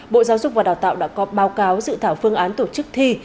bộ giáo dục và đào tạo đã có báo cáo dự thảo phương án tổ chức thi